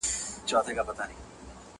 مور د ټولني فشار زغمي ډېر